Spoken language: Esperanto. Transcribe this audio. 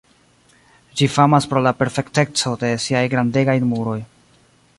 Ĝi famas pro la perfekteco de siaj grandegaj muroj.